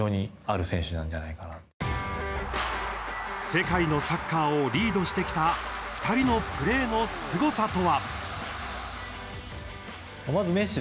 世界のサッカーをリードしてきた２人のプレーのすごさとは。